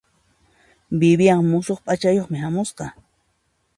Vivian musuq p'achayuqmi hamusqa.